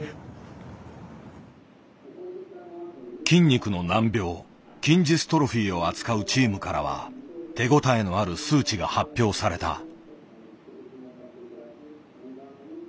筋肉の難病筋ジストロフィーを扱うチームからは手応えのある数値が発表された。